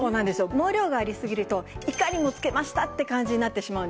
毛量がありすぎるといかにも着けましたって感じになってしまうんですね。